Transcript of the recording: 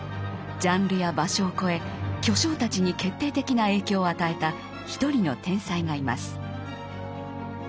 ジャンルや場所を超え巨匠たちに決定的な影響を与えた一人の天才がいます。